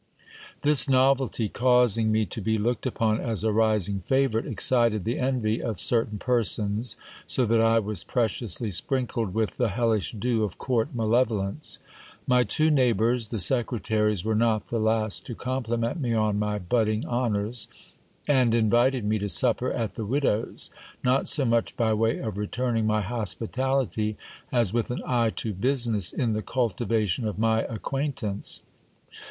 This novelty causing me to be looked upon as a rising favourite, excited the envy of certain persons, so that I was preciously sprinkled with the hellish dew of court malevolence. My two neighbours the secretaries were not the last to compliment me on my budding honours, and invited me to supper at the widow's, not so much by way of returning my hospitality, as with an eye to business in the cultivation of my acquaintance.